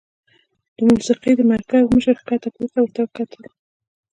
د موسيقۍ د مرکز مشر ښکته پورته ورته وکتل